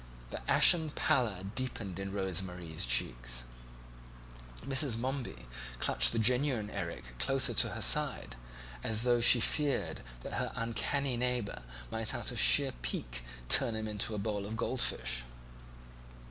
The ashen pallor deepened in Rose Marie's cheeks. Mrs. Momeby clutched the genuine Erik closer to her side, as though she feared that her uncanny neighbour might out of sheer pique turn him into a bowl of gold fish.